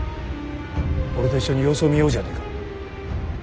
俺と一緒に様子を見ようじゃねえか。